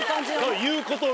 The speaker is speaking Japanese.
言うことが。